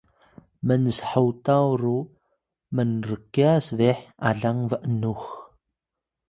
mnshotaw ru mnrkyas beh alang b’nux